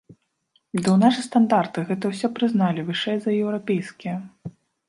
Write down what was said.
Ды ў нас жа стандарты, гэта ўсё прызналі, вышэй за еўрапейскія!